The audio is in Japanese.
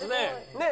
ねえ。